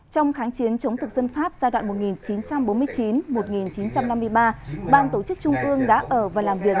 trong kháng chiến chống thực dân pháp giai đoạn một nghìn chín trăm bốn mươi chín một nghìn chín trăm năm mươi ba ban tổ chức trung ương đã ở và làm việc